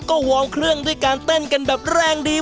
ก็วอร์มเครื่องด้วยการเต้นกันแบบแรงดี